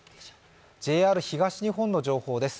ＪＲ東日本の情報です。